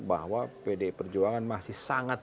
bahwa pdi perjuangan masih sangat